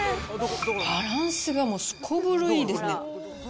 バランスがもうすこぶるいいですね。